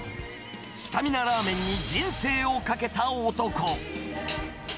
スタミナラーメンに人生をかけた男。